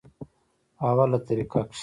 پۀ اوله طريقه کښې